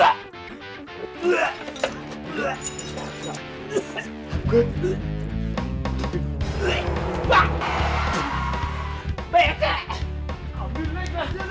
ambil naik aja lah